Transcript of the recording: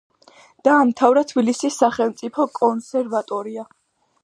დაამთავრა თბილისის სახელმწიფო კონსერვატორია.